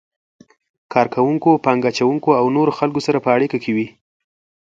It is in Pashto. کار کوونکو، پانګه اچونکو او نورو خلکو سره په اړیکه کې وي.